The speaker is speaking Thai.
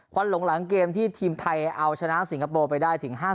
วันหลงหลังเกมที่ทีมไทยเอาชนะสิงคโปร์ไปได้ถึง๕๐